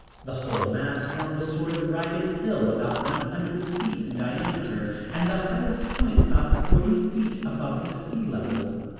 The whole mass formed a sort of a ragged hill about one hundred feet in diameter and the highest point about forty feet above the sea level.